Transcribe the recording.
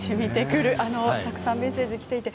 たくさんメッセージがきています。